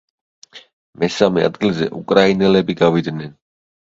მესამე ადგილზე უკრაინელები გავიდნენ.